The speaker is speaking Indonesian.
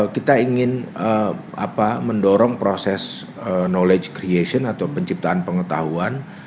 kita ingin mendorong proses knowledge creation atau penciptaan pengetahuan